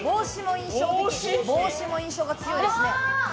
帽子も印象が強いですね。